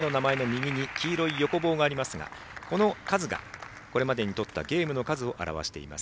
戸上の名前の右に黄色い横棒がありますがこの数がこれまでに取ったゲームの数を表しています。